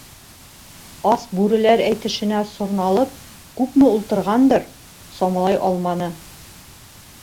Ас бүреләр әйтешенә сорналып күпме ултырғандыр, самалай алманы.